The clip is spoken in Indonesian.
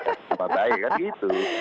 coba baik kan gitu